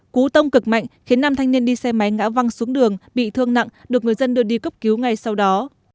cú tông cực mạnh khiến nam thanh niên đi xe máy ngã văng xuống đường bị thương nặng được người dân đưa đi cấp cứu ngay sau đó